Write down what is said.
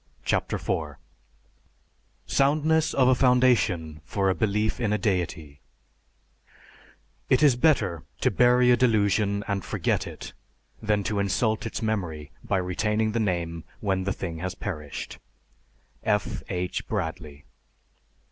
CHAPTER IV SOUNDNESS OF A FOUNDATION FOR A BELIEF IN A DEITY _It is better to bury a delusion and forget it than to insult its memory by retaining the name when the thing has perished_. F. H. BRADLEY.